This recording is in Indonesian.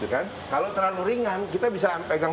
kalau terlalu ringan kita bisa pegang